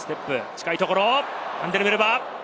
近いところ、ファンデルメルヴァ。